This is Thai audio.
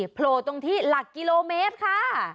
โผล่ตรงที่หลักกิโลเมตรค่ะ